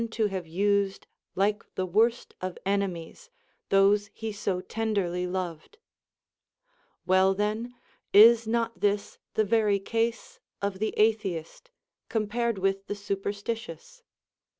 25. 17 i OF SUPERSTITION have used like the Avorst of enemies those he so tenderly loved. 6. ΛVell then, is not this the very case of the atheist, compared with the superstitious